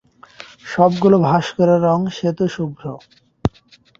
সবগুলো ভাস্কর্যের রং শ্বেত শুভ্র।